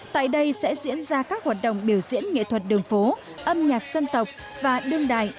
tại đây sẽ diễn ra các hoạt động biểu diễn nghệ thuật đường phố âm nhạc dân tộc và đương đại